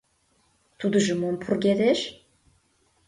Тудыжо мом пургедеш?